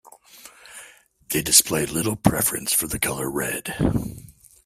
They display little preference for the color red.